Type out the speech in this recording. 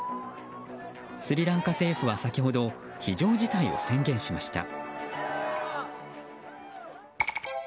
スリランカ政府は先ほど非常事態を宣言しました。